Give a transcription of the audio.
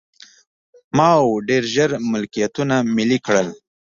ماوو ډېر ژر ملکیتونه ملي کړل.